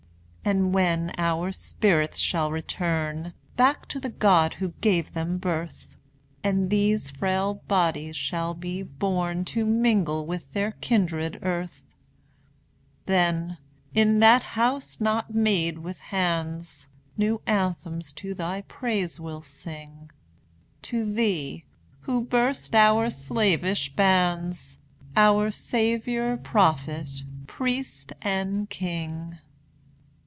And when our spirits shall return Back to the God who gave them birth, And these frail bodies shall be borne To mingle with their kindred earth, Then, in that house not made with hands, New anthems to thy praise we'll sing, To Thee, who burst our slavish bands, Our Saviour, Prophet, Priest, and King.